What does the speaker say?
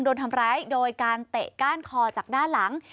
โดนทำร้ายโดยการเตะก้านคอจากด้านหลัง